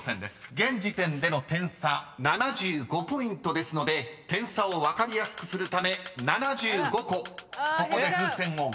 ［現時点での点差７５ポイントですので点差を分かりやすくするため７５個ここで風船を割ります］